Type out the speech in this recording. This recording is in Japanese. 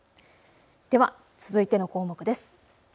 では続いての項目です。